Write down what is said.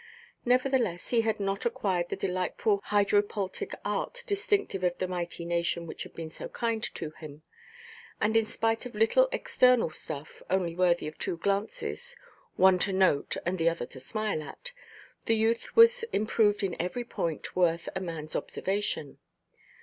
Nevertheless he had not acquired the delightful hydropultic art, distinctive of the mighty nation which had been so kind to him. And, in spite of little external stuff (only worthy of two glances—one to note, and the other to smile at it), the youth was improved in every point worth a manʼs observation.